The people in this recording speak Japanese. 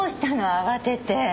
慌てて。